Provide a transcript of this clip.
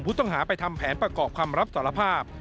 ผู้ต้องหาไปทำแผนประกอบคำรับสารภาพ